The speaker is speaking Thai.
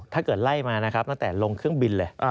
ถ้าเกิดไล่มานะครับตั้งแต่ลงเครื่องบินเลย